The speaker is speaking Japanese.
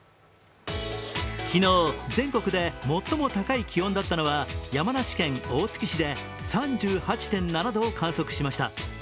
昨日、全国で最も高い気温だったのは山梨県大月市で３８．７度を観測しました。